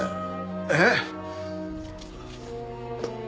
えっ！？